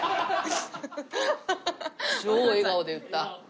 超笑顔で言った。